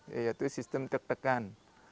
yaitu sistem tertekan